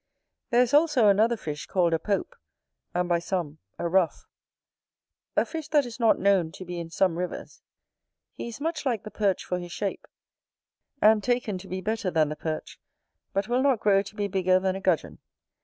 There is also another fish called a POPE, and by some a RUFFE; a fish that is not known to be in some rivers: he is much like the Perch for his shape, and taken to be better than the Perch, but will not grow to be bigger than a Gudgeon.